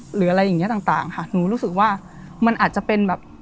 หรืออะไรอย่างเงี้ต่างต่างค่ะหนูรู้สึกว่ามันอาจจะเป็นแบบ